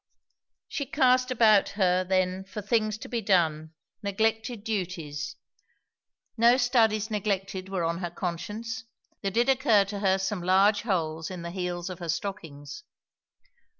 She cast about her then for things to be done, neglected duties. No studies neglected were on her conscience; there did occur to her some large holes in the heels of her stockings.